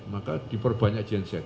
maka diperbanyak genset